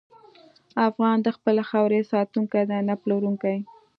افغان د خپلې خاورې ساتونکی دی، نه پلورونکی.